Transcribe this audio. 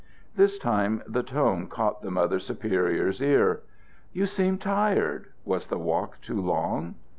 This time the tone caught the Mother Superior's ear. "You seem tired. Was the walk too long?"